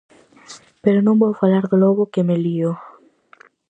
Pero non vou falar do lobo que me lío...